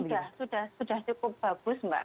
saya rasa sudah cukup bagus mbak